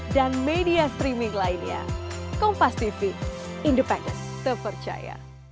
nonton indonesia irak dimana pak